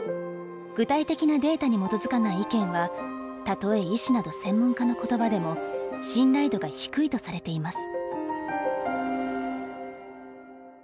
具体的なデータに基づかない意見はたとえ医師など専門家の言葉でも信頼度が低いとされています。